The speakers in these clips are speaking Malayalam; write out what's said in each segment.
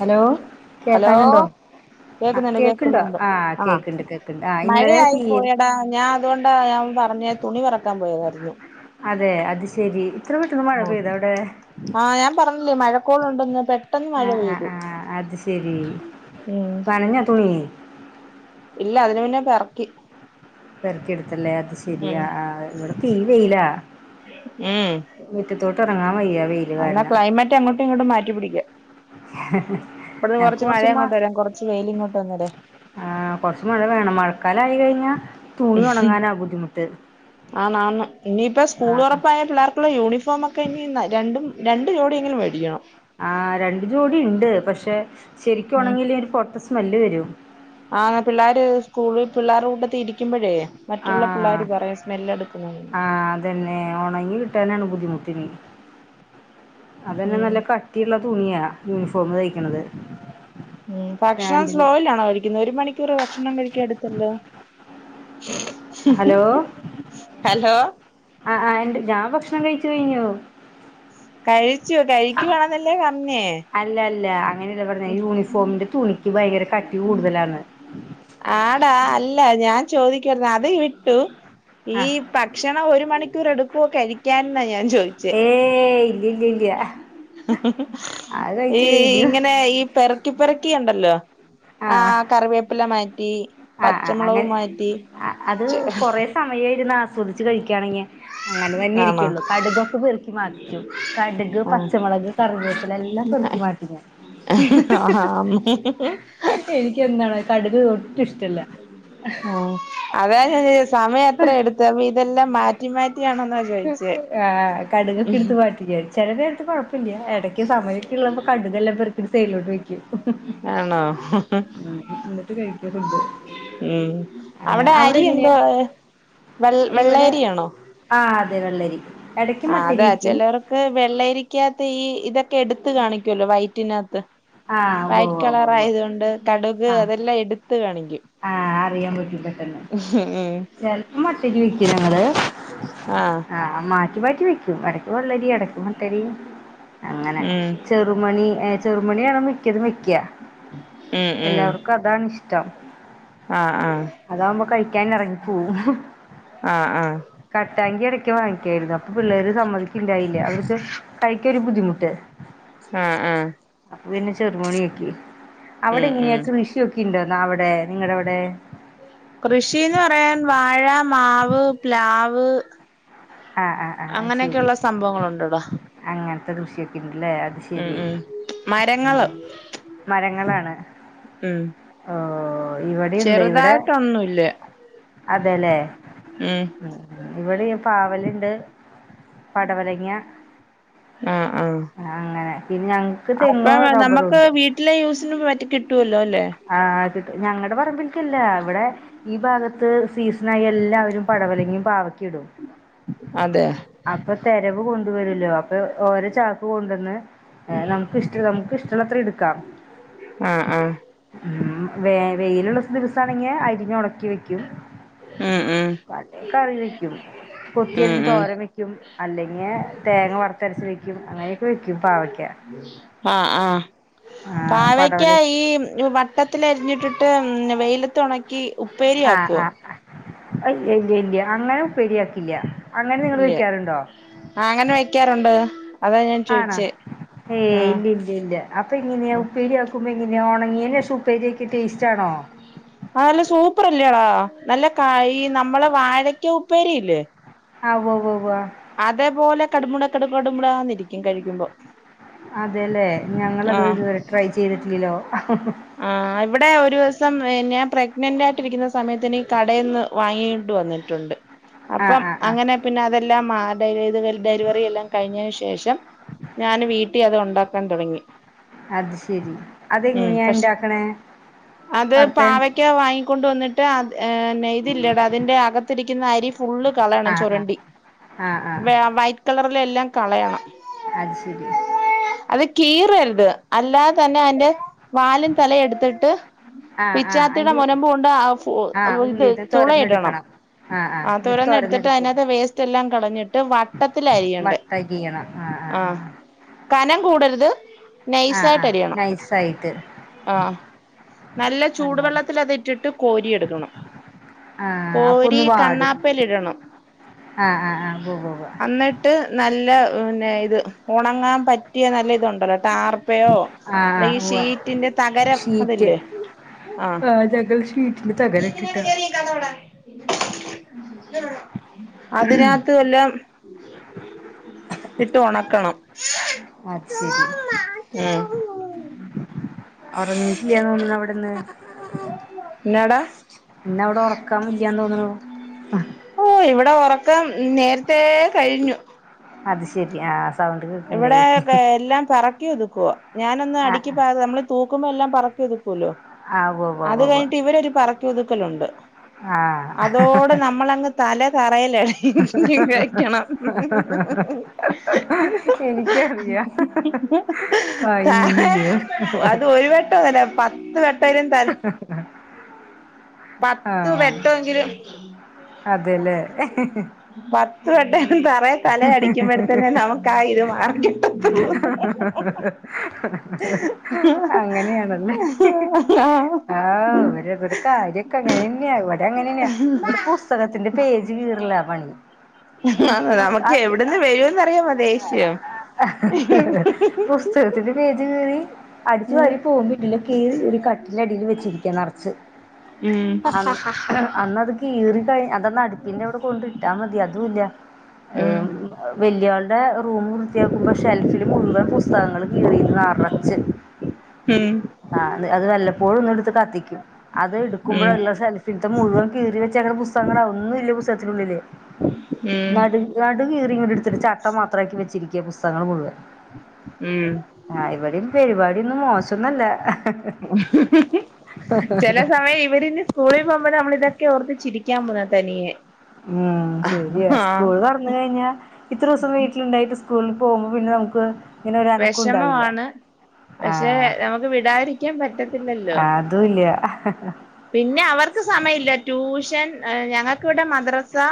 ഹലോ ഹലോ കേക്കാനുണ്ടോ ആ കേക്കുന്നുണ്ട് കേക്ക്ണ്ടോ കേക്കുന്നുണ്ട് ആ ആഹ് കേക്ക്ണ്ട് കേക്ക്ണ്ട് ആ ഇന്നലെ മഴയായി തീരെ പ്പോയടാ ഞാ അതോണ്ടാ ഞാ പറഞ്ഞെ തുണി പറക്കാൻ പോയതായിരുന്നു അതെ അത് ശരി ഇത്ര പെട്ടന്ന് മഴ ആഹ് പെയ്തൊ അവ്ടെ ആഹ് ഞാൻ പറഞ്ഞില്ലേ മഴക്കോള് ഉണ്ടന്ന് പെ ആഹ് ആഹ് ആഹ് അത് ശരി ഉം പനഞ്ഞ തുണീ ഇല്ല അതിൻ മുന്നേ പെർക്കി പെറക്കെടുത്തല്ലേ അത് ഉം ശെരിയാ ആഹ് ഇവിടെ തീ വെയിലാ ഉം മിറ്റത്തോട്ട് ഇറങ്ങാൻ വയ്യ വെയില് കാരണം ട്ടെ അങ്ങട്ടുംഇങ്ങോട്ടും മാറ്റി പിടിക്ക ഇവിടന്ന് കൊറച്ച് മഴ ഇങ്ങോട്ട് വരാം കൊറച്ച് വെയില ഇങ്ങോട്ട് വന്നരാ ആഹ് കുറച്ച് മഴ വേണം മഴക്കാലയി കഴിഞ്ഞാൽ തുണി ഉണങ്ങാനാ ബുദ്ധിമുട്ട് ആന്നാ ന്ന് ഇനിയിപ്പോ ആ സ്കൂൾ ഉറപ്പായ പിള്ളേർക്കുള്ള യൂണിഫോമ ഒക്കെ ഇനി രണ്ടും രണ്ടു ജോടിയെങ്കിലും മേടിക്കണം ആഹ് രണ്ട് ജോടി ഉണ്ട് പക്ഷെ ശരിക്കും ഉം ഉണെങ്കിൽ ഒരു പൊട്ട സ്മെല്ല് വരും ആഹ് ഏഹ് പിള്ളേർ സ്കൂള് പിള്ളേരുടെ കൂടെത്തി ഇരിക്കുമ്പോഴേ മറ്റുള്ള പിള്ളേർ ആ പറയാ സ്മെല് എടുക്കുന്നു ആഹ് അതന്നെ ഒണങ്ങി കിട്ടാനാണ് ബുദ്ധിമുട്ടിനി അതന്നെ നല്ല കട്ടിയുള്ള തുണിയ ഉം ഉം ഭക്ഷണം പാന്റിന് സ്ലോയിലാണോ കഴി കുന്നു ഒരു മണിക്കൂർ ഭക്ഷണം കഴിക്കാ എടുത്തല്ലോ ഹലോ ഹലോ ആഹ് ആഹ് ഇണ്ട് ഞാൻ ഭക്ഷണം കഴിച്ചു കഴിഞ്ഞു കഴിച്ചു കഴിക്കുവാണെന്നല്ലേ പറഞ്ഞേ അല്ല അല്ല അങ്ങനെയല്ല പറഞ്ഞ യൂണിഫോമിന്റെ തുണിക്ക് ഭയങ്കര കട്ടി കൂടുതലാണ് ആടാ അല്ല ഞാൻ ചോദിക്കരുന്നു അത് വിട്ടു ഈ ആഹ് ഭക്ഷണം ഒരു മണിക്ക് കൂർ എടുക്കുവോ കഴിക്കാൻ ഞാൻ ചോയിച്ചേ ഏയ് ഇല്ലില്ലില്ല അത് ഈ കഴിച്ചു കഴിഞ്ഞു ഇങ്ങനെ ഈ പെറക്കി പെറക്കി ഉണ്ടല്ലോ ആഹ് കറിവേപ്പില മാറ്റി ആഹ് ആഹ് പച്ചമുളക മാറ്റി സമയെ [unintelligible] ആസ്വദിച്ചു അങ്ങനെ തന്നെ ആണോ ഇരിക്കുള്ളൂ കടുകൊക്കെ വെറുക്ക മാറ്റു കടുക് പ ആഹ് പച്ചമുളക് കറിവേപ്പില എല്ലാം പെറുക്കി മാറ്റി ഞാൻ ആന്ന് എനിക്ക് എന്താണ് കടുക് ഒട്ടു ഇഷ് ആഹ് അതാ ഞാൻ ചോ സമയം എത്ര എടു ത്ത് ഇതെല്ലാം മാറ്റി മാറ്റിയാണെന്ന് ആഹ കടുകക്കെ എടുത്ത് പറ്റില്ല ചെില നേരത്ത് കൊഴപ്പില്ല ഏ എടക്കി സമയൊക്കെ ഉള്ള്പ കട്കല്ലാം പെർക്കി സെയിട്ലോട്ട് വെക്കും. ആണോ എന്നിട്ട് കഴിക്കിയ ഫുഡ് ഉം അങ്ങനെ അവിടെ അരി എങ്ങനെയാ എന്തോ വെ വെള്ളയരിയാണോ? ആ അതെ വെള്ള രി ആ അതാ ചിലർക്ക വെള്ളരിക്കകത്ത് ഈ ഇതൊക്കെ എടുത്ത കാണിക്കല്ലോ വൈറ്റിനകത്ത് ആഹ് ഉവ്വ് വൈറ്റ് ഉവ്വ് ഉവ്വ് കളർ ഉവ്വ് ആയത് കൊണ്ട് കടുക് ആഹ് അതെല്ലാം എടുത്ത് കാണിക്കും ആഹ് അറിയാൻ പറ്റും പെട്ടെന്ന് ഉ ചെലപ്പോ മട്ടരി ആഹ ആ മാറ്റി മാറ്റി വെക്കും ഇടക്ക് വള്ളരി ഇടക്ക് മട്ടരി അങ്ങനെ ഉം ചെറ ചെറുമണി ചെറുമണിയാണോ മിക്കത് മിക്ക ഉം എല്ലാവർക്കും അതാ ണിഷ്ടം. ആഹ ആഹ അതാകുമ്പോ കഴിക്കാൻ ഇറങ്ങിപ്പോവും ആഹ ആഹ കട്ടാങ്കി ഇടയ്ക്ക് വാങ്ങിക്കായിരുന്നു അപ്പം പിള്ളേർ സമ്മതിക്കുണ്ടായില്ല അടു കൈകി ഒരു ബുദ്ധിമുട്ട് ആഹ ആഹ അപ്പൊ പിന്നെ ചെറുമോണിയാക്കി അവിടെ ഉം ഇങ്ങനെയാ ഉം കൃഷിയൊക്കെ ഇണ്ടോന്ന അവിടെ നിങ്ങളുടെവിടെ കൃഷിന്ന് പറയാൻ വാഴ മാവ് പ്ലാവ് ആഹ് ആഹ് ആഹ് അത് ശരി അങ്ങനെയൊക്കെയള്ള സംഭവങ്ങൾണ്ട്ടോ അങ്ങനത്തെ ദൃഷ്യൊക്കെണ്ടല്ലേ അത് ശെരി ഉം മരങ്ങള് മരങ്ങളാണ് ഉം ഓ ഇവിടെണ്ട് ഇവിടെ ഒന്നുംല്ലേ അതെല്ലേ, ഉ ഇവിടെ പാവലുണ്ട് പടവലങ്ങ ആഹ് ആഹ് അങ്ങനെ പിന്ന ഞങ്ങ അപ്പം നമുക്ക് വീട്ടിലെ യൂസിന് മറ്റി കിട്ടുവല്ലോ അല്ലേ ആഹ അ് ഞങ്ങളുടെ പറമ്പിലിക്കല്ലേ ഇവിടെ ഈ ഭാഗത്ത് സീസണ ആയി എല്ലാവരും പടവലെങ്കും പാവക്കെ ഇടും അതെ അപ്പൊ തെരവ് കൊണ്ടുവരുല്ലോ അപ്പൊ ഓരോ ചാക്ക് കൊണ്ടുവന്ന് ഏ നമുക്ക് ഇഷ്ട നമുക്ക് ഇഷ്ടമത്ര എടുക്കാം ആഹ് ആഹ ഉം വേ വെയിലുള്ള ദിവസമാണെങ്ക അരിഞ്ഞ് ഉണക്കി വെക്കും ഉം ഉ പല കറി വെക്കും ഉം കൊത്തിയരിഞ് ഉം തോരം വെക്കും. വക്കും അല്ലെങ്കിൽ തേങ്ങ വറുത്തരച്ച വെക്കും അങ്ങനെയൊക്കെ വെക്കും പാവക്ക ആഹ ആഹ പാവക്ക പടവല് ഈ ട്ടത്തിലരിഞ്ഞിട്ടിട്ട് വെയിലത്ത്ണക്കി ആഹ് ആ ഇല്ല ഇല്ല അങ്ങനെ ഉപ്പേരിയാക്കില്ല അങ്ങനെ നിങ്ങൾ ഇല്ല്യ വെക്കാറുണ്ടോ ആ അങ്ങനെ വെക്കാറുണ്ട് അതാ ഞാൻ ചോയിച്ചേ ഏ ആഹ് ഇല്ല ഇല്ല ഇല്ല അപ്പൊ ആഹ് ഇങ്ങനെയാ ഉപ്പേരി ഉമ്പിങ്ങിനെ ഉണങ്ങിനെ ശേഷം ഉപ്പേരിയൊക്കെ ടേസ്റ്റ് ആണോ? [inaudible] ആഹ് നല്ല സൂപ്പർല്ലോടാ നല്ല ക ഇ നമ്മള് വാഴക്ക് ഉപ്പേരിയില്ലേ ആഹ് വൊ വൊ വൊ ആഹ് അതേപോലെ കടുമുട കടു കടുമുട ഇരിക്കും കഴിക്കുമ്പോ അതെല്ലേ ഞങ്ങളത് ആ അത് ഇത്വരെ ട്രൈ ചെയ്തിട്ടില്ലല്ലോ ആഹ് ഇവിടെ ഒരു ദിവസം ഞാൻ പ്രെഗ്നന്റായിട്ടിരിക്കുന്ന സമയത്തിന് കടയന്ന് വാങ്ങിണ്ടു വന്ന് ട്ടുണ്ട് ആഹ് അപ്പം ആഹ് ആഹ് അങ്ങനെ പിന്നെ അതെല്ലാം മാറി അത് ഡ ഇത് ഡെലിവറി എല്ലാം കഴിഞ്ഞതിന് ശേഷം ഞാൻ വീട്ടിൽ അത് ഉണ്ടാക്കാൻ തുടങ്ങി അത് ശരി അതെങ്ങനെയാ പക്ഷ ഇണ്ടാക്കണേ അത് വറുത്തൻ പാവക്ക വാങ്ങ കൊണ്ടുവന്നിട്ട്ന്നെ ഇതില്ലടാ അതിന്റെ അകത്തിരിക്കുന്ന അരി ഫുള്ള് കളയണം ആഹ് ആഹ് ചുരണ്ടി ആഹ് ആഹ് വ വൈറ്റ് കളറില എല്ലാം കളയണം അത്ശരി അത് കീറരുത് അല്ലാതെ തന്നെ അതിന്റെ വാലും തലയും എടുത്തിട്ട് ആഹ് ആഹ് പിച്ചാത്തിയുടെ അയിന്റെ മുനംമ്പൂണ്ട് ആഹ് ഇത് ഉള്ളീന്ന് തുളയിടണം തൊരന്നെടുക്കണം ആഹ് തുറന്ന് എടുത്തിട്ട് അതിനകത്ത് വേസ്റ്റ് എല്ലാം കളഞ്ഞിട്ട് വട്ടത്തില അരിയണ്ടേ അരിയണം ആഹ് ആഹ് ആഹ് കനം കൂടരുത് നൈസ് ആഹ് ആയിട്ട് ആഹ് അരിയണം നൈസായിട്ട് ആഹ് നല്ല അങ്ങനെ ചൂടുവെള്ളത്തിൽ അത് ഇട്ടിട്ട് കോരി എടുക്കണം ആഹ് അപ്പൊ ഒന്ന് വാടും ഇടണം ആഹ് ആഹ് ആഹ് വോ വോ ട്ട് നല്ല പിന്നെ ഇത് ഉണങ്ങാൻ പറ്റിയ നല്ല ഇത്ണ്ടല്ലോ ടാർപ്പയോ ആഹ് അല്ല ഈ ആഹ് ഉവ്വ് ഷീറ്റിന്റെ തകരം ഷീറ്റ് അതല്ലേ ആഹ് നങ്ങൾ ഷീറ്റിന് തകര ഇട്ടിട്ടാ [unintelligible] അതിന വല്ലാം ഇട്ട് ഉണക്കണം അത്ശരി ആഹ് അറിനീട്ടിലാ തോന്നുന്നു അവിടെന്ന് [unintelligible] നടാ ഇന്ന് അവിടെ ഉറക്കാൻല്ലന്ന് തോന്നുന്നു ഓ ഇവിടെ ഉറക്കം നേരത്തെ കഴിഞ്ഞു അത്ശരി ആഹ് സൗണ്ട് കേൾക്കണ്ടേ ഇവിടെ എല്ലാം പറക്കി ഒതുക്കുവോ ഞാനൊന്ന് അടുക്കി ആഹ് പാ നമ്മൾ തൂക്കുമ്പോ എല്ലാം പറക്കി ഒത്ക്കല്ലോ ആഹ് ഉവ്വ് അത് ഉവ്വ് ഉവ്വ് കഴിഞ്ഞിട്ട് ഇവര പറ ക്കി ഒതുക്കലുണ്ട് ആഹ് അതോട് നമ്മളങ്ങ് തല പറയലേട ഇനി കഴിക്കണം എനിക്കറിയാ ത അയ്യോ അത് ഒരു വട്ടല്ല പത്ത് വട്ട [unintelligible] പത്ത് ആഹ് വെട്ടവെങ്കിലും അതെല്ലേ പ പട്ട തറ തല അടിക്കുമ്പോഴത്തന്നെ നമുക്ക് ആഹ് ഇരു മാർഗം [unintelligible] അങ്ങനെയാണല്ലേ [unintelligible] ആഹ് ഓരകാര്യക്കൊ അങ്ങനെന്നെയ ഇവട അങ്ങനന്നെയാ ഇവിടെ പുസ്തകത്തിന്റെ പേജ് കീറല പണി ആഹ് നമുക്ക് അത് എവ്ട്ന്ന് വെരുംന്നറിയാമോ ദേഷ്യം അഹ ഹഹഹ പുസ്തകത്തിന്റെ പേജ് കീറി അടിച്ചു ഉം വാരി പോവുമ്പെ ഇണ്ടല്ലോ കീറി കീറി കട് ബെഡിന്റെ അടീല് വെച്ചിരിക്കാ നറച്ച് ഉം ഹ ഹ ഹ അൻ അന്നത് കീറി കഴി അതന്ന് അട്പ്പിന്റെ അവിടെ കൊണ്ട് ഇട്ടാ മതി അതുല്ല ഹെലോന്ന് വെൽയാള്ടെ റൂം വൃത്തിയാക്കുമ്പൊ ഷെൽഫില് മുഴുവെം പുസ്തകങ്ങള് കീറീത് നറച്ച് ഉം ആഹ് അത് അത് വല്ലപ്പോഴും ഒന്ന് ഇട്ത്ത് കത്തിക്കും അത് ഉം ഇട്ക്കുമ്പഴ്ള്ള സെൽ ഇത് ത്തെ മുഴുവൻ കീറി വെച്ച എങ്ങനെ പുസ്തകങ്ങള ഒന്നും ഇല്ല പുസ്തകത്തിനുള്ളില് ഉം നടുകീറി ഇങ്ങട്ട് ഇട്ത്ത്ട്ട് ചട്ട മാത്രാക്കി വെച്ചിരിക്യാ പുസ്തകങ്ങങ്ങള് മുഴുവൻ ഉം ആഹ് ഇവടീം പെരിവാടിയൊന്നും മോശാെന്നല്ല എഹ് ഹ് ചെല സമയം ഇവടിണ്ട് സ്കൂളിൽ പോവുമ്പാെ നമ്മളിതെക്കെ ഓർത്ത് ചിരിക്കാൻ പോവുന്നത് തനിയെ ഉം ശരിയാ ആഹ് സ്കൂള്താെർന്ന് കെയിഞ്ഞാ ഇത്രൂസം വീട്ടില് ഇണ്ടായിട്ട് സ് സ്കൂളിൽ പോവുമ്പാെ പിന്നെ നമുക്ക് ഇങ്ങനെ ഒരു അനക്കം ഉണ്ടാവില്ല വെഷമവാണ് പക്ഷെ ആഹ് നമുക്ക് വിടാഇരിക്കാൻ പറ്റത്തില്ലല്ലോ ഒന്നുല്യാ അഹ് എഹ് ഹെ പിന്നെ അവർക്ക് സമയല്യ ട്യൂഷൻ ഏഹ് ഞങ്ങക്ക് ഇവ്ടെ മദ്റസാ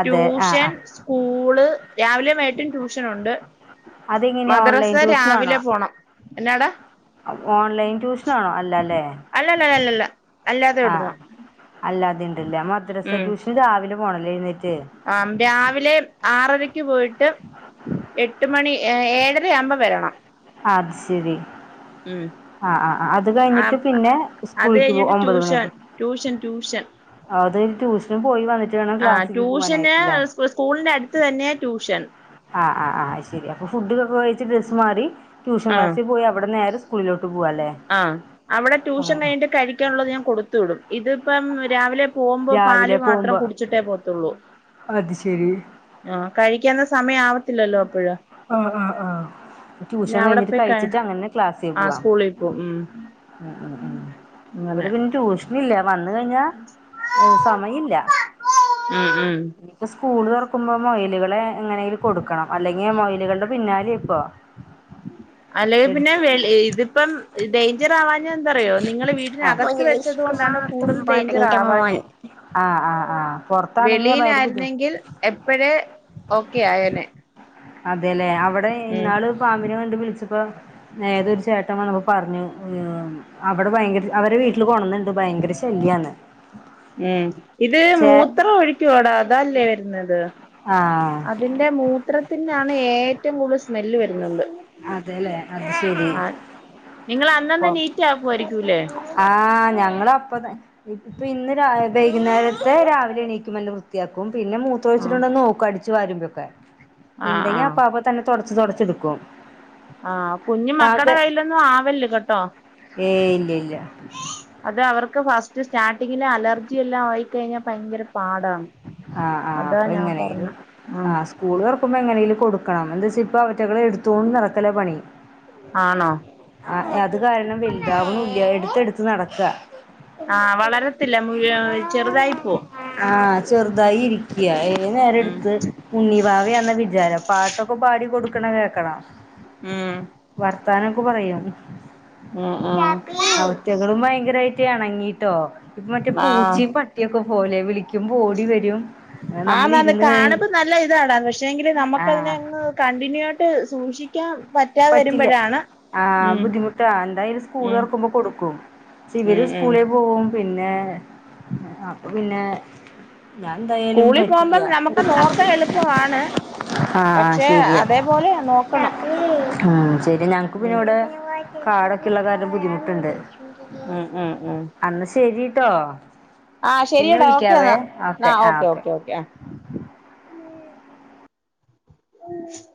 അതെ ആഹ് ട്യൂഷൻ ആഹ് സ്കൂള് രാവിലെ വൈകിട്ടും ട്യൂഷനുണ്ട് അതെങ്ങനെയാ മദ്റസ ഓൺലൈൻ രാവിലെ ട്യൂഷനാണോ പോണം എന്നാടാ ഓൺലൈൻ ട്യൂഷനാണോ അല്ലല്ലേ ലലല്ലല്ല ആഹ് അല്ലാതീ ഇണ്ട്ല്ല മദ്രസ ട്യൂഷന് രാവിലെ പോണല്ലേ എഴ്ന്നേറ്റ് ആം രാവിലെ ആറരക്ക് പോയിട്ട് എട്ട് മണി ഏ ഏഴരയാവുമ്പം വെരണം അത്ശെരി ഉം ആഹ് ആഹ് ആഹ് അത് ആ കയിഞ്ഞിട്ട് പിന്നെ അത് ഉസ്കൂളിക്ക് പോ കഴിഞ്ഞിട്ട് ഒമ്പത് ട്യൂഷൻ മണിയാവുമ്പൊ ട്യൂഷൻ ട്യൂഷൻ അത് ട്യൂഷനും പോയി വന്നിട്ട് വേണം ക്ലാസ്സിക്ക് പൂവാനായിട്ട്ലേ ഇപ്പൊ സ്കൂളിന്റെ അട്ത്ത് തന്നെയാ ട്യൂഷൻ ആഹ് ആഹ് ആഹ് അത്ശെരി അപ്പാെ ഫുഡുംഇതൊക്കെ കഴിച്ച് ഡ്രസ്സ് മാറി ട്യൂഷൻ ആ ക്ലാസ്സിൽ പോയി അവടെ നേരെ സ്കൂളിലോട്ട് പൂവാല്ലേ ഉം ഉം ക്യാനുള്ളത് ഞാൻ കൊടുത്തു വിടും ഇത്പ്പം രാവിലെ പോവുമ്പം പാല് രാവിലെ മാത്രം പോകുമ്പോ കുടിച്ചിട്ടേ പോകത്താെള്ളൂ അത് ശരി ആഹ് കഴിക്കാനുള്ള സമയം ആവത്തില്ലല്ലോ അപ്പഴ് ആഹ് ആഹ് ആഹ് പിന്നെ ട്യൂഷൻ അവിടെ കയിഞ്ഞിട്ട് കഴിച്ചിട്ട് അങ്ങനെ ക്ലാസ്സിൽ പുവാം ഓഹ് ഉം ഉം ഉം ഉം അങ്ങനെ ഇവടെ പിന്നെ ടൂഷ് ഇന്ന്ഇല്ല വന്ന് കഴിഞ്ഞാ ഏ സമയില്ല ഉം ഇപ്പൊ സ്കൂള് താെറക്കുമ്പാെ മൊയല്കളെ എങ്ങനെങ്കിലും കൊടുക്കണം അല്ലെങ്ങെ മൊയല്കള്ടെ പിന്നാലെ ഇപ്പൊ അല്ലെങ്കി പിന്നെ എടുത്തു വെൾ ഇഇത്പ്പം ഡൈഞ്ചറാവാഞ്ഞത് എന്താറിയാേ നിങ്ങള് ആഹ് വീടിനകത്ത് മുരളീഷ് വെച്ചത് കൊണ്ടാണ് കുമാർ കൂടുതൽ ഡൈഞ്ചർ തുമ്പാട്ടന്റെ മോൻ ആവാഞ്ഞെ ആഹ് ആഹ് ആഹ് പുറത്താണെങ്കി ഭയങ്കര ബുദ്ധിമു വെളിയിലായിര്ന്നെങ്കിൽ എപ്പഴേ ഓക്കെ ആയേനെ അതെലേ അവിടെ ഉം ഇന്നാള് പാമ്പിനെ കണ്ട് വിളിച്ചപ്പോ ഏതൊരു ചേട്ടൻ വന്നപ്പം പറഞ്ഞു ഉം അവിടെ ഭയങ്കര അവരെ വീട്ടില് കൊണ്ടുവന്നിട്ടുണ്ട് ഭയങ്കര ശല്ല്യാന്ന്. ഉം. ഇത് മൂത്രം ഒഴികൂവോടാ അതല്ലേ വരുന്നത്. ആ തിന്റെ മൂത്രത്തിനാണ് ഏറ്റവും കൂടുതൽ സ്മെല്ല് വരുന്നുണ്ട്. അതെല്ലേ അത് ശരി ആ നിങ്ങളന്നന്ന് നീറ്റ് ആക്കുമായിരിക്കുല്ലേ? ആ ഞങ്ങളപ്പത ഇപ്പൊ ഇന്ന് ര വൈകുന്നേരത്തെ രാവിലെ എണക്കുമ്പൊന്നെ വൃ വൃത്തിയാക്കും പിന്നെ ആഹ് മൂത്രമൊഴിച്ചിട്ടുണ്ടോന്ന് നോക്കും അടിച്ചു വരുമ്പൊക്കെ. ആഹ് ഇണ്ടെങ്കി ആഹ് അപ്പാപ്പ തന്നെ തുടച്ചു തുടച്ചെടുക്കും. ആ കുഞ്ഞു പാക മക്കടെ കയ്യിലൊന്നും ആവല്ല്കേട്ടോ? ഏയ് ഇല്ല്യല്ല്യ അത് അവർക്ക് ഫസ്റ്റ് സ്റ്റാർട്ടിങ്ങില് അലർജി എല്ലാം ആയിക്കഴിഞ്ഞാ ഭയങ്കര പാടാണ്. ആ ആ അതാ അപ്പൊ ഞാൻ എങ്ങനേലും പറഞ്ഞെ ആഹ് ആസ് കൂള് തുറക്കുമ്പോ എങ്ങനെയെങ്കിലും കൊടുക്കണം. എന്റെ ശിഫ അവറ്റകളെ എടുത്തോണ്ട് നടക്കലാ പണി. ആണോ? ആ അത് കാരണം വലുതാവണു ഇല്ല. എടുത്ത് എടുത്ത് നടക്ക ആ വളരത്തില്ല മു ചെറുതായി പോവും. ആ ചെറുതായി ഇരിക്കാ. ഏതു നേരം ഉം എടുത്ത് ഉണ്ണി വാവയാന്നാ വിചാരം. പാട്ടു ട്ടൊക്കെ പാടി കൊടുക്കണ കേക്കണം. ഉം വർത്താനൊക്കെ പറയും. ഉം കുട്ടാപ്പി ഉം അവ റ്റകളും ഭയങ്കരായിട്ട് ഇണങ്ങിയിട്ടോ. ഇപ്പം മറ്റേ ആഹ് പൂച്ചയും പട്ടിയൊക്കെ പോലെ വിളിക്കുമ്പോ ഓടി വരും നമ്മള് ആന്നാന്ന് ഇരുന്ന് കഴി കാണുമ്പോ നല്ല ഇതാടാ. പക്ഷെങ്കില് നമുക്കതിനെ ആഹ് അങ് കണ്ടിന്യൂ ആയിട്ട് സൂക്ഷി ക്കാൻ പ പറ്റില്ല ആ ബുദ്ധിമുട്ടാ എന്തായാലും സ്കൂള് ഉം തൊറക്കുമ്പോ കൊടുക്കും. ഇവര് ഉം ഉം സ്കൂളേ പോവും പിന്നെ അപ്പൊ പിന്നെ ഞാൻ എന്തായാലും സ്കൂളി പറ്റില്ല പോകുമ്പം നമുക്ക് നോക്കാൻ എളുപ്പമാണ്. ആഹ് പക്ഷെ അതേ പോലെയാനോക്കണം. ആ ശരി ഞങ്ങക്ക് പിന്നെ ഇവിടെ കാടൊക്കെ ഉള്ള കാരണം ബുദ്ധിമുട്ടുണ്ട്. ഉം ഉം ഉം അന്നാ ശരിട്ടോ ആഹ് പിന്നെ ശരിയടാ ഓക്കെ വിളിക്കാവേ. എന്നാ ഓക്കേ ആഹ് ആ ഓക്കെ ഓക്കേ. ഓക്കെ ആ [inaudible]